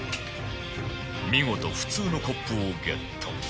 見事普通のコップをゲット